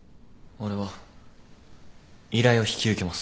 俺は依頼を引き受けます。